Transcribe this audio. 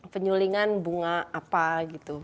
penyulingan bunga apa gitu